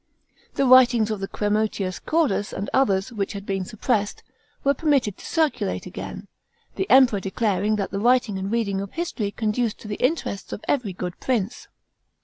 The writings of Cremutius Cordus and others, which had been suppressed, were permitted to circulate again ; the Emperor declaring that the writing and reading of history conduced to the interests of every good prince.